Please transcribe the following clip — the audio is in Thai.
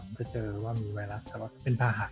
จะเจอว่ามีไวรัสเป็นผ่าหัก